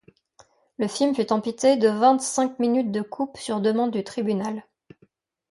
Le film fut amputé de vingt-cinq minutes de coupe sur demande du tribunal.